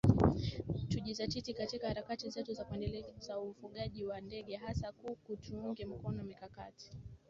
tujizatiti katika harakati zetu za kuendeleza ufugaji wa ndege hasa kuku Tuunge mkono mikakati